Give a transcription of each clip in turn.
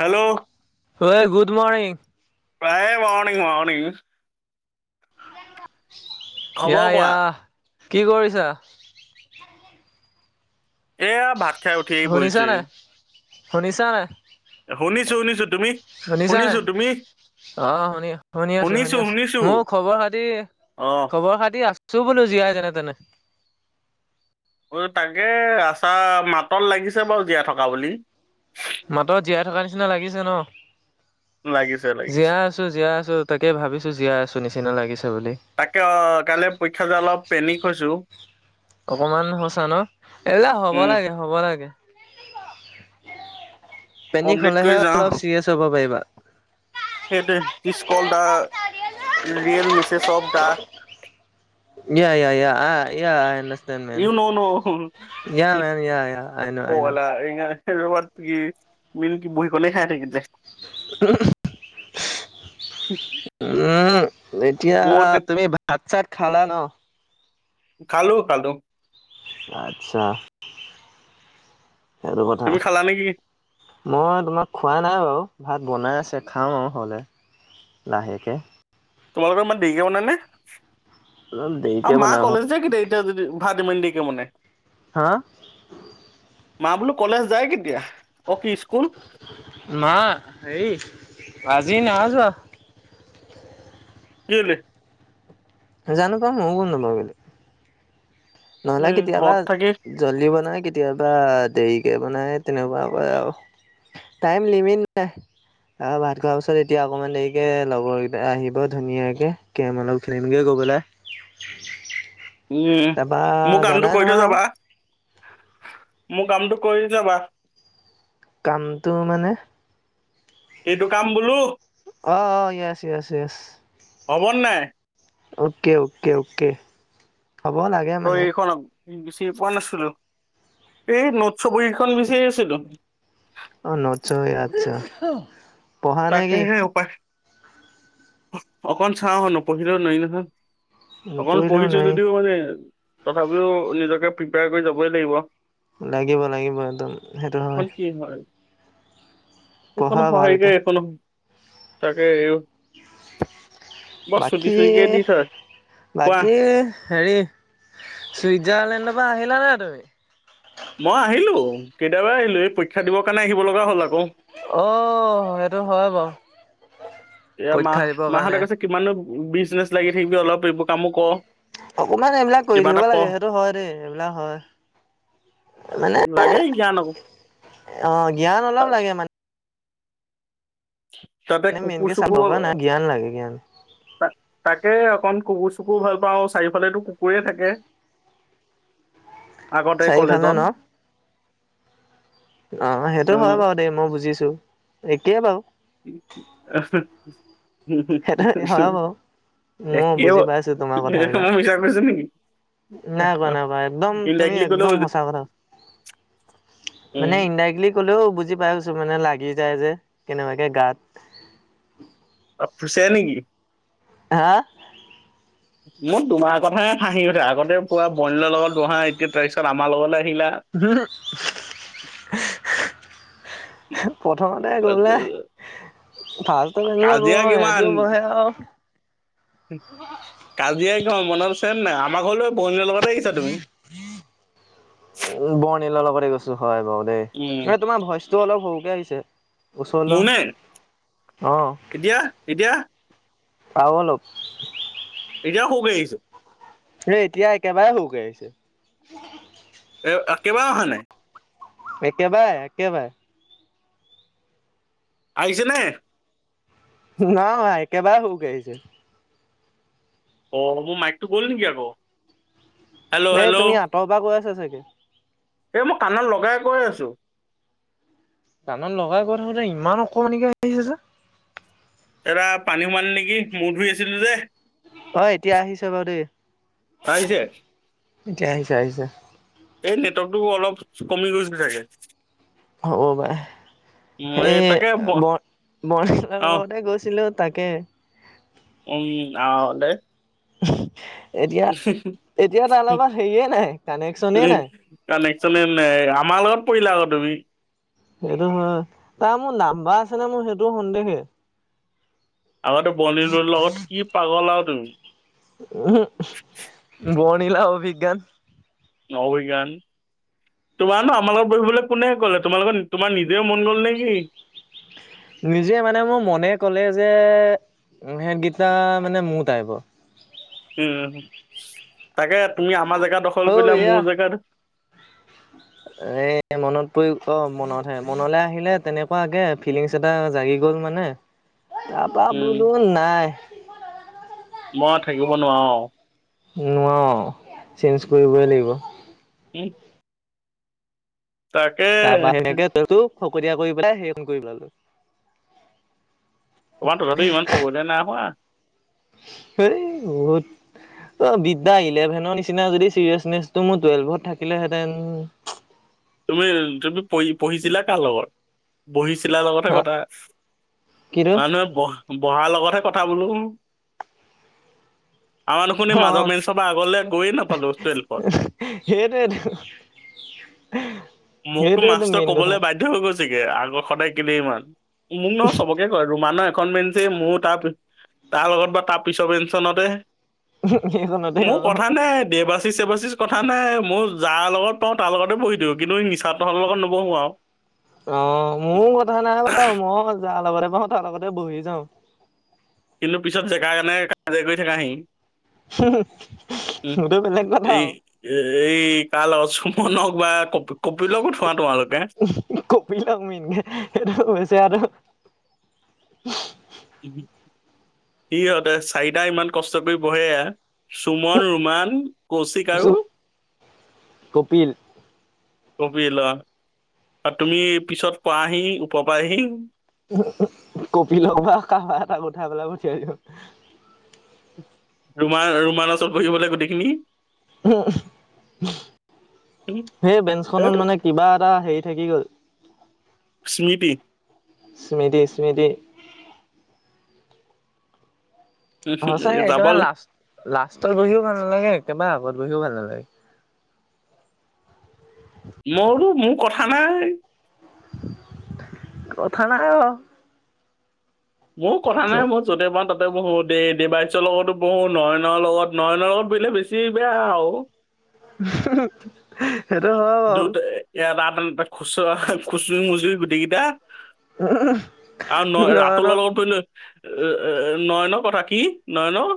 Hello অই good morning. এই morning morning [inaudible] খবৰ কোৱা ইয়া-ইয়া। কি কৰিছা? [inaudible] এয়া ভাত [unintelligible] শুনিছা বহিছোহি নাই শুনিছা নাই শুনিছো শুনিছো তুমি শুনিছা শুনিছো নাই তুমি অ শুনি শুনি আছো শুনি শুনিছো আছো শুনিছো মোৰ খবৰ খাতি অ খবৰ খাতি আ ছো বোলো জীয়াই যেনে তেনে অ তাকে আছা মাতত লাগিছে বাৰু জীয়াই থকা বুলি মাতত জীয়াই থকাৰ নিচিনা লাগিছে ন লাগিছে লাগিছে জীয়াই আছো জীয়াই আছো তাকে ভাবিছো জীয়াই আছো নিচিনা লাগিছে বুলি তাকে অ কাইলৈ পৰীক্ষা যে অলপ পেনিক হৈছো অকমান হৈছা ন এলা হ'ব উম লাগে হ'ব লাগে পেনিক কমপ্লিট কৰি হলেহে যাওঁ অলপ চিৰিয়াছ হ'ব পাৰিবা সেইটোৱে this call the real message of the ইয়া ইয়ায়া অ ইয়া আইনডা ইউ নও নও হু উ মেন ইয়া ইয়া আই ন প আই ন বালা ইঙা লগত কি মিল কি বহী কলেই খাই থাকিলে হু হু উম এতিয়া তুমি ভাত চাত খালা ন খালো খালো আচ্ছা সেইটো কথা তুমি খালা নেকি মই তোমাক খোৱা নাই বাৰু ভাত বনাই আছে খাম আৰু হ'লে লাহেকে তোমালোকৰ ইমান দেৰিক বনাই নে অলপ দেৰিকে আৰু মা বনাই ভাত। কলেজ যে কি দেই এতিয়াও যদি ভাত ইমান দেৰিকে বনে হা মা বোলো কলেজ যায় কেতিয়া অ কি স্কুল মা হেৰি আজি নাই যোৱা কেলে জানো পাই ময়ো গম নাপাও কেলে নহ'লে এই কেতিয়াবা ঘৰত থাকি জল্দি বনায় কেতিয়াবা দেৰিকে বনায় তেনেকোৱা কৰে আও টাইম লিমিট নাই আহ ভাত খোৱাৰ পিছত এতিয়া অকণমান দেৰিকে লগৰ কেইটা আহিব ধুনীয়াকে কেৰম অলপ খেলিমগে গৈ পেলাই উম তাৰপা মোৰ কামটো জানাই কৰি নহয় থৈ আৰু যাবা মোৰ কামটো কৰি যাবা কামটো মানে এইটো কাম বোলো অ অ য়েছ য়েছ য়েছ হ'ব নাই অকে অকে অকে হ'ব লাগে তই মানে এইখন বিচাৰিয়ে পোৱা নাছিলো এই নোটচ বহীখন বিচাৰি আছিলো অ নোটছৰ বহী আচ্ছা পঢ়া নে কি তাকেহে উপায় অকন চাও নপঢ়িলেও নোৱাৰি নহয় অকমান নপঢ়িলেও পঢ়িছো নাই যদিও মানে তথাপিও নিজকে প্ৰিপেয়াৰ কৰি যাবই লাগিব লাগিব লাগিব একদম সেইটো এখন হয় কি হ'ল এইখনো পঢ়া সহায়িকে ভালকে এইখনো তাকে এইও বাকী কোৱা বাকী হেৰি চুইজাৰলেণ্ডৰ পৰা আহিলানে তুমি। মই আহিলো কেতিইয়াবা আহিলো এই পৰীক্ষা দিবৰ কাৰণে আহিব লগা হ'ল আকৌ। অ', সেইটো হয় বাৰু এয়া পৰীক্ষা মাহ দিবৰ মাহঁতে কাৰণে কৈছে কিমানো বিজনেছ লাগি থাকিবি অলপ এইবোৰ কামো কৰ। অকমান এইবিলাক কৰি কিবা এটা থাকিব পঢ় লাগে সেইটো হয় দেই এইবিলাক হয় মানে আাগে জ্ঞানো অ', জ্ঞান অলপ লাগে মানে তিহতে কুকুৰ মেইনকে চাব চুকুৰ দৰকাৰ হ নাই জ্ঞান লাগে জ্ঞান ত তাকে অকণ কুকুৰ চুকুৰ ভাল পাওঁ চাৰিওফালে কুকুৰে থাকে। আগতে কলেজত চাৰিওফালে ন অ', সেইটো হয় বাৰু দেই মই বুজিছোঁ একয়েই বাৰু। আহ [unintelligible] সেইটো মিচ কৰিছ হয় বাৰু মই বুজি পাইছো তোমাৰ কথাবিলাক নেকি নাই কোৱা নাই কোৱা একদম [unintelligible] তুমি ইনড্ৰাৰিক্টলি কলে একদম হৈ গ'ল। সঁচা কথা মানে ইনড্ৰাক্টলি ক'লেও বুজি পাইছোঁ মানে লাগি যায় যে কেনেবাকে গাত। অ', ফুছে নে কি। হা [inaudible] মোৰ তোমাৰ কথাহে হাঁহি উঠে আগতে পুৰা বৰ্ণিলৰ লগত বহা এতিয়া তাৰিপিছত আমাৰ লগলৈ আহিলা। [unintelligible] প্ৰথমতে গ'লে ফাৰ্ষ্ট এ গ কাজিয়া কিমান সিহঁতিও বহে আৰু কাজিয়া গ মনত আছেনে নাই আমাৰ ঘৰলৈ বৰ্ণিল লগতে আহিছা তুমি। উ বৰ্ণিলৰ লগতে গৈছোঁ হয় বাৰু দেই উম এই তোমাৰ ভইচটো অলপ সৰুকে আহিছে। মোৰ নে ওচৰলৈ এতিয়া এতিয়া আহ আও অলপ। এতিয়াও সৈ আহিছোঁ। এ এতিয়া একেবাৰে সৰুকৈ আহিছে। এ কেইবাৰ অহা নাই। একেবাৰে আহে একেবাৰ। আহিছে নে? নাই একেবাৰে সৰুকে আহিছে। অ', মোৰ মাইকতটো গ'ল নেকি আকৌ। হেল্ল' এ হেল্ল' তুমি আঁতৰ পৰা গৈ আছা চাগে। এই মই কাণত লগাই কৈ আছোঁ। কানত লগাই গৈ থাকোঁতে ইমান অকমানি কে হৈছে যে। এৰা পানী সোমাল নেকি মূৰ ধুই আছিলোঁ যে। অ', এতিয়া আহিছ বাৰু দেই। চাইছে। এতিয়া আহিছ আহিছে। এই নেটৱৰ্কতটো অলপ কমি গৈছে থাকে। হ'ব বাই উম সেই এই তাকে ব বৰাৰ অ লগতে গৈছিলোঁ। তাকে। উম আহ দে। এতিয়া এতিয়া তাৰ লগত হেৰিয়ে নাই কানেকশ্যনেই নাই। কাণেকশ্যনে নাই আমাৰ লগত পৰিলা আকৌ তুমি। সেইটো হয় তাৰ মোৰ নাম্বাৰ আছে নে মোৰ সেইটোও সন্দেহে। আগতে বৰ্নিলৰ লগত কি পাগলা আৰু তুমি। উম বৰ্নিল আৰু অভিজ্ঞান [unintelligible] তোমাৰ ন আমাৰ লগত বহিবলৈ কোনে ক'লে? তোমালোকৰ তোমাৰ নিজেও মন গ'ল নেকি? নিজে মানে মোৰ মনে ক'লে যে সেইকেইটা মানে মোৰ টাইপৰ। উম তাকে তুমি আমাৰ জেগাত দখল অ কৰিলো এয়া মোৰ জেগাত [inaudible] এ মনত পৰি অ মনতহে মনলৈ আহিলে তেনেকুৱা আগে ফিলিংছ টা জাগি গ'ল মানে, তাপা উম বলো নাই মই থাকিব নোৱাৰো। নোৱাৰো, চেঞ্জ কৰিবই লাগিব। [inaudible] তাকে তাৰপা সেনেকে তই খকতীয়া কৰি পেলাই সেইখন কৰি পেলাল। তোমাৰ তথাপিও ইমান ফকতিয় নাই হোৱা। এই বহুত অ বিদ্যা ইলেভেনৰ নিচিনা যদি চিৰিয়াচনেচটো মোৰ টুৱেলভত থাকিলেহেতেন তুমি তুমি পঢ়ি-পঢ়িছিলা কাৰ লগত? বহি চিলাৰ লগতহে হা কথা, কিটো মানুহে ব-বহাৰ লগতহে কথা বোলো। আমাৰ দুখুন অ মাজৰ মেঞ্চৰ আগলে গয়ে নাপালো টুৱেলভত। সেইটোৱেটো মোকতো সেইটোৱে টো মাষ্টৰ মেইন কথা। ক'বলৈ বাধ্য হৈ গৈছেগে আগৰ সদায় কেলে ইমান মোক ন চবক কয় ৰুমানৰ এখন বেঞ্চ মোৰ তাৰ তাৰ লগত বা তাৰ পিছৰ বেঞ্চ খনতে সেইখনতে অ মোৰ কথা নাই দেবাচিচ-চেবাচিচ কথা নাই মই যাৰ লগত পাওঁ তাৰ লগতে বহি দিওঁ, কিন্তু মিছাহঁতৰ লগত নবহো আৰু। অ মোৰ কথা নাই বাৰু। মই যাৰ লগতে পাওঁ তাৰ লগতে বহি যাওঁ। কিন্তু পিছত জেগাৰ কাৰণে কাজিয়া কৰি থাকাহি। উম সেইতু বেলেগ কথা এই আৰু। এই কাৰল চুমনক বা কপ-কপিল উঠোৱা তোমালোকে। কপিলক মেইন, সেইটো বেছেৰাটো [inaudible] সিহঁতে চাৰিটা ইমান কষ্ট কৰি বহে। সুমন, ৰুমান, কৌশিক চুপ আৰু কপিল। কপিল অ। আৰু তুমি পিছত পাৱাহি ওপৰ পৰা আহি কপিলক বা কাৰবাক এটা উঠাই পেলাই পঠিয়াই দিওঁ। ৰুম-ৰুমানা ওচৰত বহিবলৈ গোটেইখিনি উম, সেই বেঞ্চখনত এইটো মানে কিবা এটা হেৰি থাকি গ'ল। স্মৃতি। স্মৃতি-স্মৃতি সঁচাকৈ যাব একেবাৰে লাষ্ট-লাষ্টত বহিও ভাল নালাগে, একেবাৰে আগত বহিও ভাল নালাগে। মোৰোটো মোৰ কথা নাই কথা নাই অ। মোৰ কথা নাই মই য'তে পাওঁ ত বহো দে-দেবাইচৰ লগতো বহো, নয়নৰ লগত নয়নৰ লগত বহিলে বেছি বেয়া আৰু। [unintelligible] বাও দুটা ইয়াত খুচুৰা, খুচৰি-মুচৰি গোটেই কেইটা আৰু ন নয়ন ৰাতুলৰ লগত পৰিলে', এ', -এ', -এ', নয়নৰ কথা কি, নয়নৰ?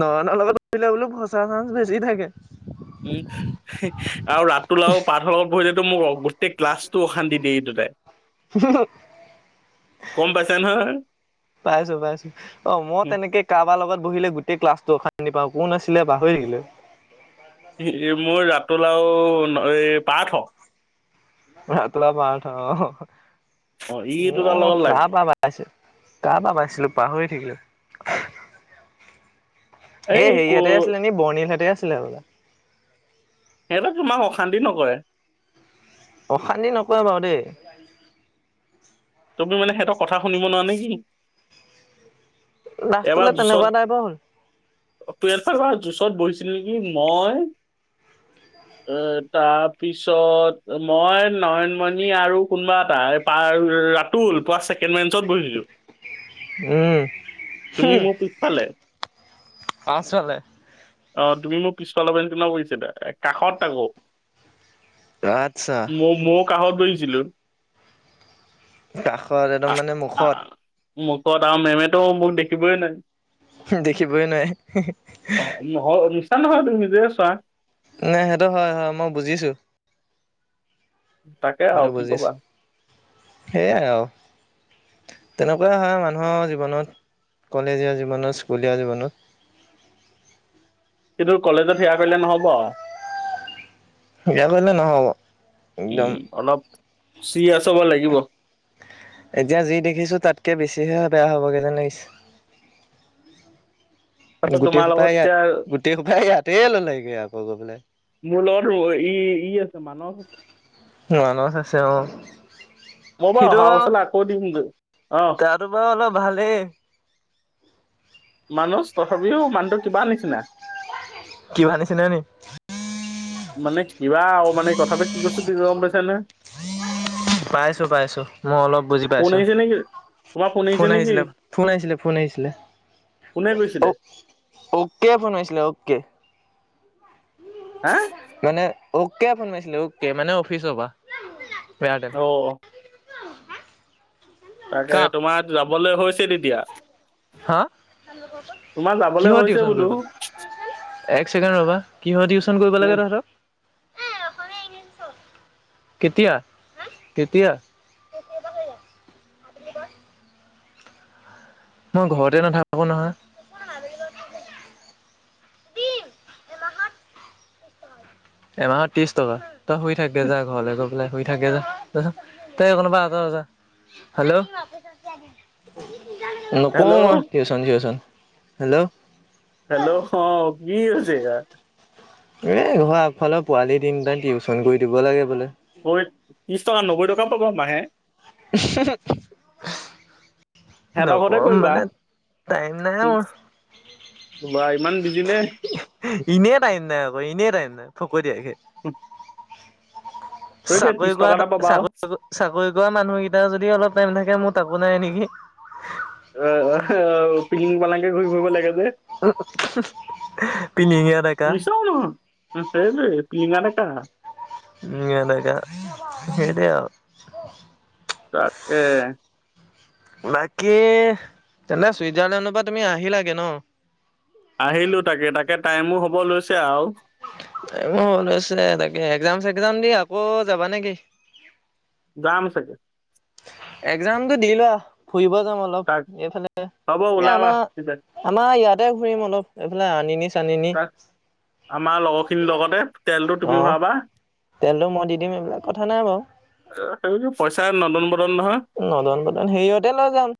নয়নৰ লগত বহিলে বোলোঁ ফচাৰ চান্স বেছি থাকে', কি? হি', আৰু ৰাতুল আৰু পাৰ্থৰ লগত বহিলেতো মোক অবস্থ', গোটেই ক্লাছতো অশান্তি দিয়ে এই দুটাই', হুমহুম', হি', গম -হি', পাইছা নহয় পাইছোঁ - পাইছোঁ', অ' মই তেনেকে কাৰোবাৰ লগত বহিলে গোটেই ক্লাছতো অশান্তি পাওঁ, কোন আছিলে পাহৰি থাকিলোঁ', ই', -এই', মোৰ, ৰাতুল আৰু ন এই পাৰ্থ', ৰাতুল আৰু পাৰ্থ অহ', অ ই -হ', দুটাৰ মোৰ লগত লাগে কাৰ পৰা', পাইছোঁ, কাৰ পৰা পাইছিলোঁ পাহৰি থাকিলোঁ', এই হেৰিহঁতে আছিলে নি, বৰ্ণিলহঁতে আছিলে বোলে', সিহঁতক তোমাৰ অশান্তি নকৰে', অশান্তি নকৰে বাৰু দেই', তুমি মানে সিহঁতৰ কথা শুনিব নোৱাৰা নে কি? এবাৰ লাষ্টলে তেনেকুৱা জোচত', টাইপৰ হ'ল টুৱেলভত এবাৰ জোচত বহিছিলোঁ নেকি মই? এ', তাৰপিছত মই নয়নমণি আৰু কোনোবা এটা, পাৰ', - ৰৰৰ', ৰাতুল, নোপোৱা ছেকেঞ্চত বহিছিলোঁ', উম', - তুমি হুম', মোৰ পিছফালে পাছফালে', অ', তুমি মোৰ পিছফালৰ বেঞ্চখনত বহিছিলে, এ', কাষত তাকৌ', আচ্ছা মই-মইও কাষত বহিছিলোঁ', কাষতে', অহ', মুখত আৰু মে'মেতো মোক দেখিবই নোৱাৰে', দেখিবই নোৱাৰে হিহি', অ নহয়, মিছা নহয় তুমি নিজেই চোৱা', নাই সেইটো হয়', -হয়', মই বুজিছোঁ, তাকে আৰু সেইটো কি কবা বুজিছোঁ', সেইয়াই আৰু', তেনেকুৱা হয় মানুহৰ জীৱনত, কলেজীয়া জীৱনত, স্কুলীয়া জীৱনত', কিন্তু কলেজত সেয়া কৰিলে নহ'ব আৰু', বেয়া কৰিলে নহ'ব, একদম', উম অলপ, ছিৰিয়াছ হ'ব লাগিব', এতিয়া যি দেখিছোঁ, তাতকে বেছিহে বেয়া হ'বগে যেন লাগিছে', তাতে গোটে তোমাৰ সোপা লগত ইয়াত, এতিয়া গোটেই সোপাই ইয়াতে ল'লেগে আকৌ গৈ পেলাই', মোৰ লগৰটো ই', - ই', আছে, মানস আছে', মানস আছে, অ', মই বাৰু সিটো অহা বছৰলৈ আকৌ দিম যে, অ', তোমাৰ অলপ ভালেই', মানস, তথাপিও মানুহটো কিবা নিচিনা', কিবা নিচিনা নি? মানে কিবা আৰু, মানে কথাটো কি কৈছোঁ তুমি গম পাইছা নে? পাইছোঁ', - পাইছোঁ', মই অলপ বুজি ফোন পাইছোঁ', আহিছে নেকি তোমাৰ ফোন আহিছে নেকি আহিছিলে, ফোন আহিছিলে, ফোন আহিছিলে, কোনে কৈছিলে অও', অ'কে ফোন মাৰিছিলে, অ'কে', হাঁ? মানে অ'কে ফোন মাৰিছিলে, অকে, মানে অফিচৰ পৰা, বেয়া টাইম', অ'। তাকেহে, কাক তোমাৰ যাবলে হৈছে তেতিয়া। হাঁ? তোমাৰ যাবলে হৈছে বোলো। এক ছেকেণ্ড ৰ'বা। কিহৰ টিউচন কৰিব লাগে তহঁতক? কেতিয়া? কেতিয়া? মই ঘৰতে নাথাকো নহয়। এমাহত ত্ৰিশ টকা। তই শুই থাকগে যা, ঘৰলে গৈপেলাই শুই থাকগে যা। যাচোন। তই এইখনৰ পৰা আতৰ যা, হেল্ল'। নকৰোঁ মই, হেল্ল' টিউচন ছিউছন। হেল্ল'। হেল্ল', হ', কি হৈছে ইয়াৰ? এই ঘৰৰ আগফালৰ পোৱালি তিনটা, টিউচন কৰি দিব লাগে বোলে। ঐ, ত্ৰিশ টকা, নব্বৈ টকা পাবা মাহে। [unintelligible] সেহঁতৰ ঘৰতেই নকওঁ কৰিবা? মানে টাইম নাই মোৰ বাহ, ইমান বিজি নে? ইনে টাইম নাই আকৌ, ইনে টাইম নাই, ফকটীয়াকে। হুঁহ। চাকৰি কৰা এটা, পাবা আৰু চাক-চাকৰি কৰা মানুহকিটাৰ যদি অলপ টাইম থাকে, মোৰ তাকো নাই নেকি। অ', অ', পিলিং পালাংকে ঘূৰি ফুৰিব লাগে যে। উ, হুহ, পিলিঙীয়া ডেকা। মিছাও নহয় উম সেইটোৱেই, পিলিঙা ডেকা। ই এনেকা, সেইটোৱেই আৰু। তাকেহে। বাকী, তেনে চুইজাৰলেণ্ডৰ পৰা তুমি আহিলাগে ন? আহিলোঁ তাকে, তাকে টাইমো হ'ব লৈছে আও। টাইমো লৈছে তাকে, একজাম চেগজাম দি আকৌ যাবা নেকি? যাম চাগে। একজামটো দি লোৱা, ফুৰিব যাম অলপ, তাক এইফালে, হ'ব এই ওলাবা আমাৰ তেতিয়া আমাৰ ইয়াতেই ঘূৰিম অলপ, এইফালে আনিনি চানিনি। তাক আমাৰ লগৰখিনি লগতে, তেলটো অ তুমি ভৰাবা। তেলটো মই দি দিম, এইবিলাক কথা নাই বাৰু। অ', সেইটো পইচাই নদন বদন নহয়। নদন বদন হেৰিয়তে লৈ যাম।